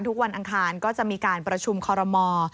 วันอังคารก็จะมีการประชุมคอรมอล์